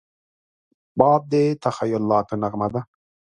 باد د تخیلاتو نغمه ده